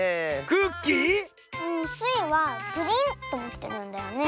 クッキー⁉スイはプリンともきてるんだよね。